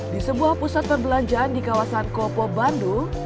di sebuah pusat perbelanjaan di kawasan kopo bandung